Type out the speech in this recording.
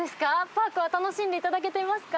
パークは楽しんでいただけていますか？